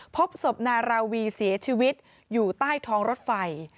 พบศพนาราวีเสียชีวิตอยู่ใต้ท้องรถไฟ